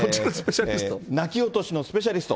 泣き落としのスペシャリスト。